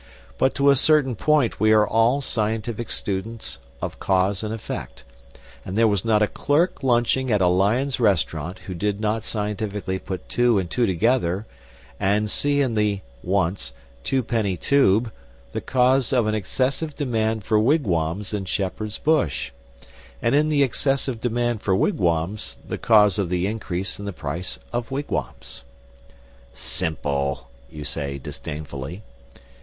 But to a certain point we are all scientific students of cause and effect, and there was not a clerk lunching at a Lyons Restaurant who did not scientifically put two and two together and see in the (once) Two penny Tube the cause of an excessive demand for wigwams in Shepherd's Bush, and in the excessive demand for wigwams the cause of the increase in the price of wigwams. "Simple!" you say, disdainfully.